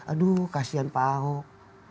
aduh kasihan pak ahok